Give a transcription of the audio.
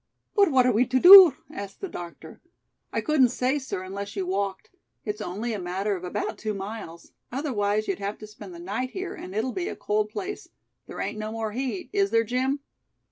"But what are we to do?" asked the doctor. "I couldn't say, sir, unless you walked. It's only a matter of about two miles. Otherwise, you'd have to spend the night here and it'll be a cold place. There ain't no more heat, is there, Jim?"